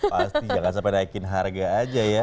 pasti jangan sampai naikin harga aja ya